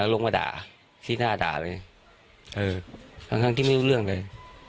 ลงมาด่าชี้หน้าด่าเลยเออทั้งที่ไม่รู้เรื่องเลย